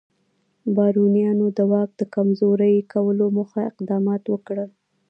بارونیانو د واک د کمزوري کولو موخه اقدامات وکړل.